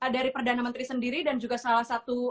dari perdana menteri sendiri dan juga salah satu